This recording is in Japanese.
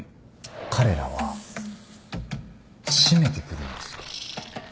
彼らは締めてくるんですよ。